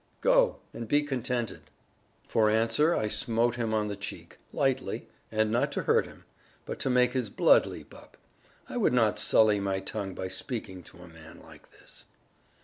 Go and be contented." For answer I smote him on the cheek, lightly, and not to hurt him, but to make his blood leap up. I would not sully my tongue by speaking to a man like this.